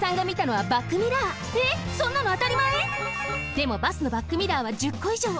でもバスのバックミラーは１０こいじょう。